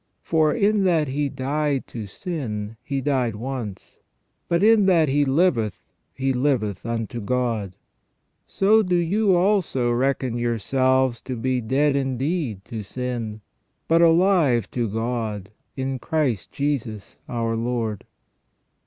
For in that He died to sin, He died once ; but in that He liveth. He liveth unto God. So do you also reckon yourselves to be dead indeed to sin, but alive to God in Christ Jesus our Lord."